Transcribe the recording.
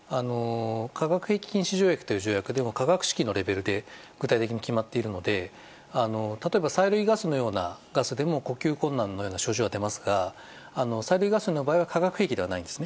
化学兵器禁止条約という条約で化学式のレベルで具体的に決まっているので例えば催涙ガスのようなガスでも呼吸困難のような症状が出ますが催涙ガスの場合は化学兵器ではないんです。